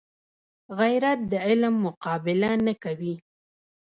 غیرت د علم مقابله نه کوي